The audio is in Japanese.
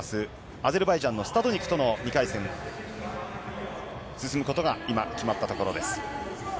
アゼルバイジャンのスタドニクとの２回戦に進むことが今、決まったところです。